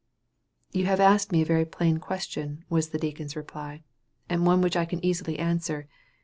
"You have asked me a very plain question," was the deacon's reply, "and one which I can easily answer.